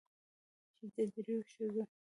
چې د درېو ښځې